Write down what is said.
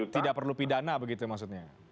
tidak perlu pidana begitu maksudnya